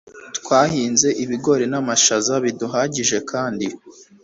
Twahinze ibigori n’amashaza biduhagije kandi